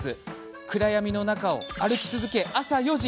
暗闇の中、歩き続け朝４時。